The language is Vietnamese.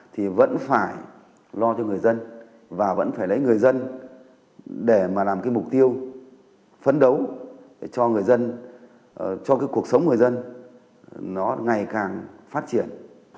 thì vẫn phải lo cho người dân và vẫn phải lấy người dân để làm mục tiêu phấn đấu cho cuộc sống người dân ngày càng phát triển